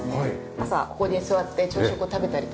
朝ここで座って朝食を食べたりとか。